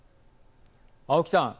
青木さん